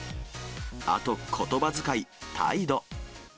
あと、ことばづかい、態度！